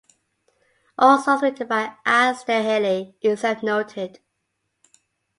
All songs written by Al Staehely except noted.